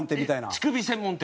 乳首専門店？